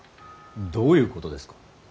どういうことですか。